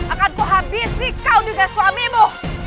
akanku habisi kau dengan suamimu